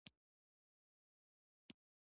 ازادي راډیو د تعلیم لپاره عامه پوهاوي لوړ کړی.